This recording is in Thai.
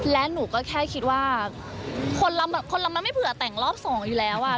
และหนูก็แค่คิดว่าคนเรามันไม่เผื่อแต่งรอบสองอยู่แล้วอ่ะ